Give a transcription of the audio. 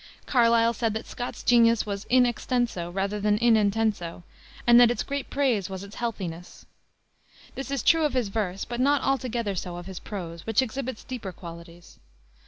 Carlyle said that Scott's genius was in extenso, rather than in intenso, and that its great praise was its healthiness. This is true of his verse, but not altogether so of his prose, which exhibits deeper qualities.